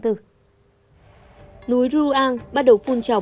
núi ruang bắt đầu phun trò bụi